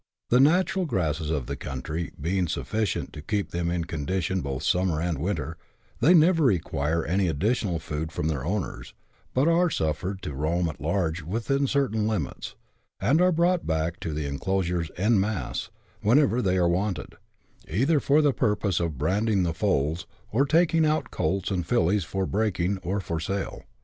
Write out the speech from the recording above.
The natural grasses of the country being sufficient to keep them in condition both in summer and winter, they never require any additional food from their owners, but are suffered to roam at large within certain limits, and are brought back to the en closures " en masse," whenever they are wanted, either for the purpose of branding the foals, or taking out colts and fillies for breaking or for sale.